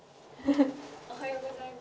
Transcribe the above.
おはようございます。